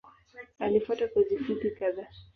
Alifuata kozi fupi kadhaa.